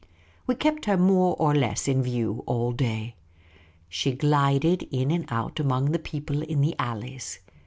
We kept her more or less in view all day. She glided in and out among the people in the alleys.